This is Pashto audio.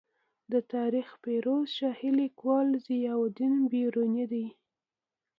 د تاریخ فیروز شاهي لیکوال ضیا الدین برني دی.